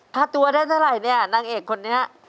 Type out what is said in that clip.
ค่าตัวได้เท่าไหร่เนี่ยนางเอกคนนี้